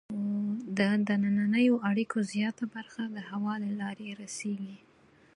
د دنننیو اړیکو زیاته برخه د هوا له لارې رسیږي.